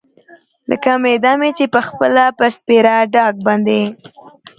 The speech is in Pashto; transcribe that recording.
لکه معده چې مې پخپله پر سپېره ډاګ باندې.